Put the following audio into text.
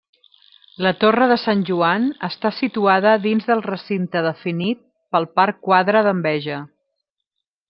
La torre de Sant Joan està situada dins del recinte definit pel Parc Quadra d'Enveja.